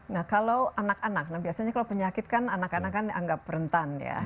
nah kalau anak anak biasanya kalau penyakit kan anak anak kan dianggap rentan ya